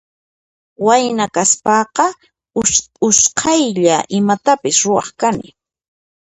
Wayna kaspan usqaylla imatapas ruwaq kani.